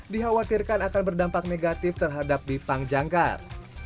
dikhawatirkan akan berdampak negatif terhadap bipang jangkar